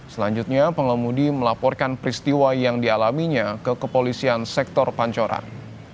selanjutnya pengemudi melaporkan peristiwa yang dialaminya ke kepolisian sektor pancoran